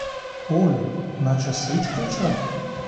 Олю, наче сич кричав?